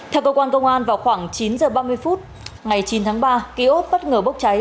theo cơ quan công an vào khoảng chín h ba mươi phút ngày chín tháng ba kiosk bất ngờ bốc cháy